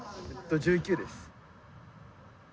１９です。